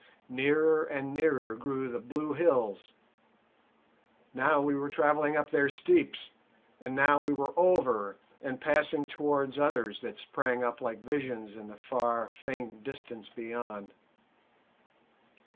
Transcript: Nearer and nearer grew the blue hills; now we were travelling up their steeps, and now we were over and passing towards others that sprang up like visions in the far, faint distance beyond.